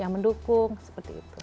yang mendukung seperti itu